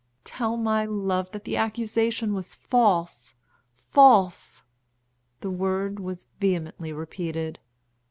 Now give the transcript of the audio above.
"Tell my love that the accusation was false false!" the word was vehemently repeated.